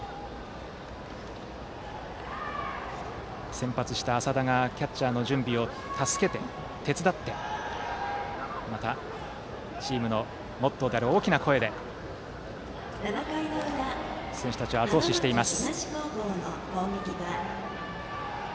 先発した淺田がキャッチャーの準備を助けて、手伝ってまた、チームのモットーである大きな声で選手たちを、あと押ししています。